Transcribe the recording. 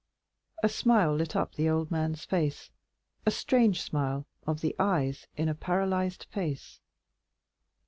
A smile lit up the old man's face, a strange smile of the eyes in a paralyzed face.